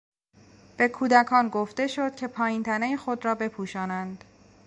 به کودکان گفته شد که پایین تنهی خود را بپوشانند.